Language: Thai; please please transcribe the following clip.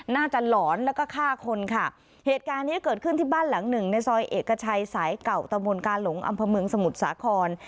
หลอนแล้วก็ฆ่าคนค่ะเหตุการณ์เนี้ยเกิดขึ้นที่บ้านหลังหนึ่งในซอยเอกชัยสายเก่าตะมนต์กาหลงอำเภอเมืองสมุทรสาคร